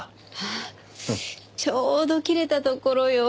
あっちょうど切れたところよ。